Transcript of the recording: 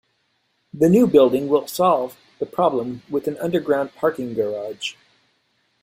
The new building will solve the problem with an underground parking garage.